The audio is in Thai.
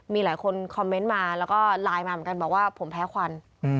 มีหลายคนคอมเมนต์มาแล้วก็ไลน์มาเหมือนกันบอกว่าผมแพ้ควัน